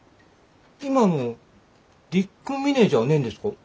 今のディック・ミネじゃねんですか？